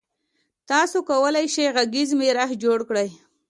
تاسو کولای شئ غږیز میراث جوړ کړئ.